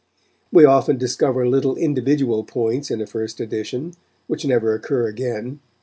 We often discover little individual points in a first edition, which never occur again.